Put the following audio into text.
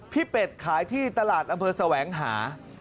เป็ดขายที่ตลาดอำเภอแสวงหา